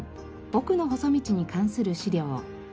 『おくの細道』に関する資料。